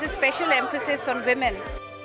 ini adalah fokus khusus untuk perempuan